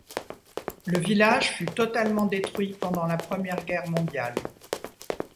Le village fut totalement détruit pendant la Première Guerre mondiale.